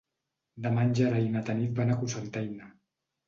Demà en Gerai i na Tanit van a Cocentaina.